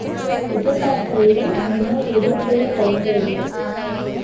எதிர்பார்க்கவில்லை ஆனால் எதிர் கொள்ளத்தயங்க வில்லை.